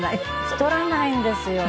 太らないんですよ